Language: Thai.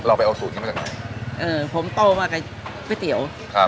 ไปเอาสูตรนี้มาจากไหนเออผมโตมากับก๋วยเตี๋ยวครับ